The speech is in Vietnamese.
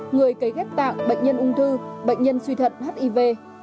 người cấy ghép tạng bệnh nhân ung thư bệnh nhân suy thận hiv